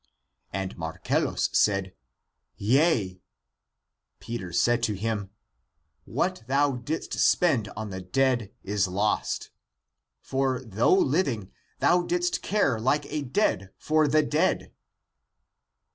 When Marcellus said, " Yea," Peter said to him, " What thou didst spend on the dead is lost. For, though living, thou didst care like a dead for the dead."